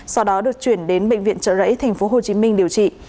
sau đó được chuyển đến bệnh viện trợ rẫy tp hcm điều trị